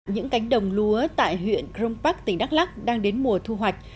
những cánh đồng lúa tại huyện crong park tỉnh đắk lắc đang đến mùa thu hoạch